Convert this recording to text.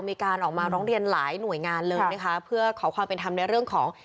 มีการออกมาร้องเรียนหลายหน่วยงานเลยนะคะเพื่อขอความเป็นธรรมในเรื่องของ